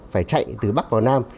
phải chạy từ bắc vào nam